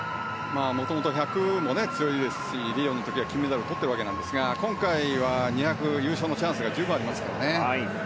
もともと１００も強いですしリオの時は金メダルをとっているんですが今回は２００優勝のチャンスが十分ありますからね。